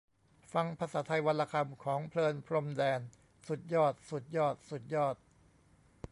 ฟัง 'ภาษาไทยวันละคำ' ของ เพลิน พรหมแดน สุดยอด ! สุดยอด ! สุดยอด !